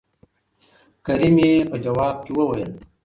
کريم يې په ځواب کې وويل